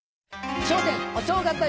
『笑点お正月だよ！